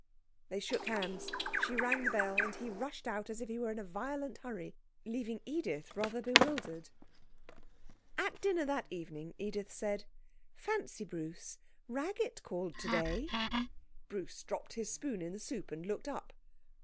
They shook hands, she rang the bell, and he rushed out as if he was in a violent hurry, leaving Edith rather bewildered. At dinner that evening Edith said 'Fancy, Bruce, Raggett called today!' Bruce dropped his spoon in the soup and looked up.